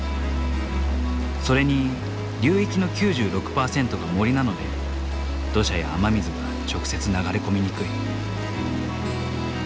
それに流域の９６％が森なので土砂や雨水が直接流れ込みにくい。